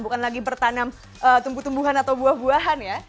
bukan lagi bertanam tumbuh tumbuhan atau buah buahan ya